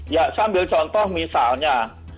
ya sambil contoh misalnya